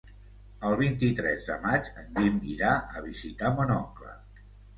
El vint-i-tres de maig en Guim irà a visitar mon oncle.